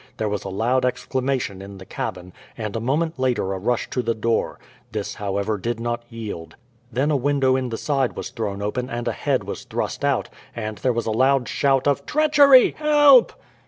There was a loud exclamation in the cabin, and a moment later a rush to the door. This, however, did not yield. Then a window in the side was thrown open and a head was thrust out, and there was a loud shout of "Treachery! Help!"